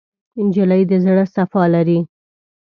نجلۍ د زړه صفا لري.